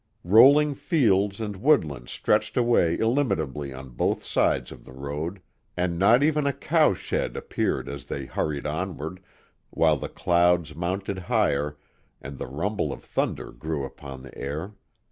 Rolling fields and woodland stretched away illimitably on both sides of the road, and not even a cow shed appeared as they hurried onward, while the clouds mounted higher, and the rumble of thunder grew upon the air.